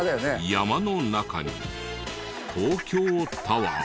山の中に東京タワー？